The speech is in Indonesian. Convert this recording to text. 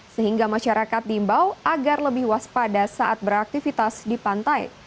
sehingga masyarakat diimbau agar lebih waspada saat beraktivitas di pantai